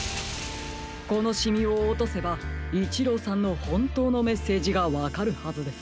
このシミをおとせばイチローさんのほんとうのメッセージがわかるはずです。